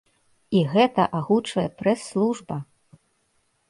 І гэта агучвае прэс-служба!